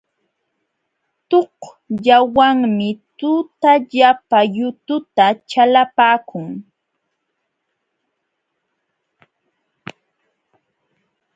Tuqllawanmi tutallapa yututa chalapaakun.